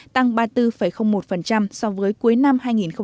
tăng ba mươi bốn một so với cuối năm hai nghìn một mươi chín